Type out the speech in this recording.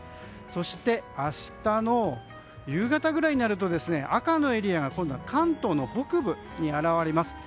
そして明日の夕方ぐらいになると赤のエリアが今度は関東の北部に現れます。